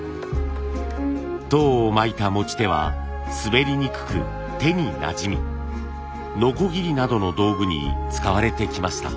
籐を巻いた持ち手は滑りにくく手になじみのこぎりなどの道具に使われてきました。